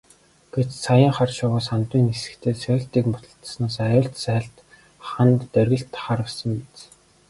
Гэтэл саяын хар шувуу сандран нисэхдээ сойлтыг мулталснаас аюулт сааль хана доргитол харвасан биз.